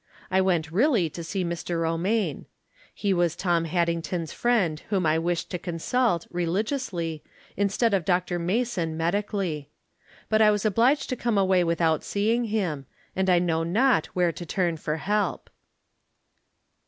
I went really to see Mr. Ro maine. It was Tom Haddington's friend whom I wished to consult, religiously, instead of Dr. Mason, medically. But I was obliged to come away without seeing him, and I know not where to turn for help.